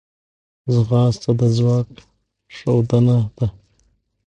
ځغاسته د ځواک ښودنه ده